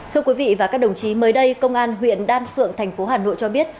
thưa quý vị và các đồng chí mới đây công an huyện đan phượng thành phố hà nội cho biết